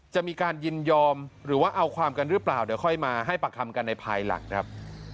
จะมีการยินยอมหรือว่าเอาความกันหรือเปล่าเดี๋ยวค่อยมาให้ปากคำกันในภายหลังครับ